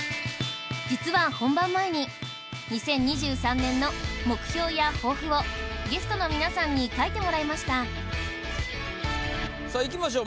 実は本番前に２０２３年の目標や抱負をゲストの皆さんに書いてもらいましたさあいきましょう